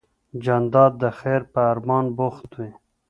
جانداد د خیر په ارمان بوخت وي.